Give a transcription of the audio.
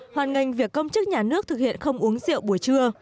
hoàn ngành việc công chức nhà nước thực hiện không uống rượu buổi trưa